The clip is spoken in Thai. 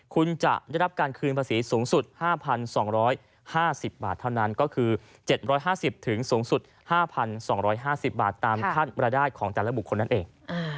คุณจะได้รับการคืนภาษีสูงสุด๕๒๕๐บาทเท่านั้นก็คือ๗๕๐สูงสุด๕๒๕๐บาทตามขั้นรายได้ของแต่ละบุคคลนั่นเอง